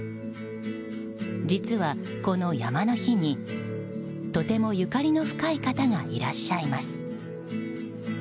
実は、この山の日にとてもゆかりの深い方がいらっしゃいます。